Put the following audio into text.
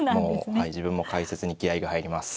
自分も解説に気合いが入ります。